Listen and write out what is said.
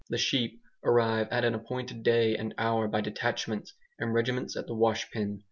The sheep arrive at an appointed day and hour by detachments and regiments at the washpen.